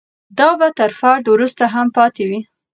دا به تر فرد وروسته هم پاتې وي.